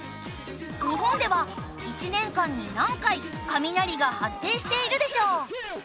日本では１年間に何回雷が発生しているでしょう？